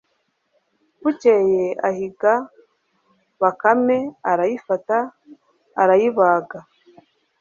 bukeye ahiga bakame, arayifata, arayibaga